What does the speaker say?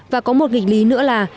và có một nghịch lý nữa là